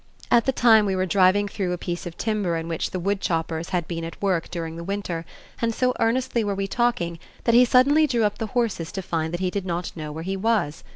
At the time we were driving through a piece of timber in which the wood choppers had been at work during the winter, and so earnestly were we talking that he suddenly drew up the horses to find that he did not know where he was.